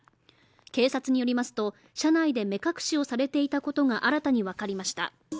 警察によりますと、車内で目隠しをされていたことが新たに分かりました。